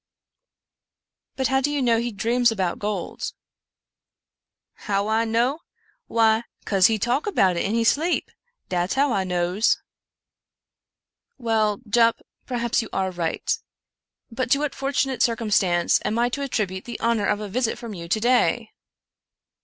" But how do you know he dreams about gold ?"" How I know ? why, 'cause he talk about it in he sleep — dat's how I nose." " Well, Jup, perhaps you are right ; but to what fortu nate circumstance am I to attribute the honor of a visit from you to day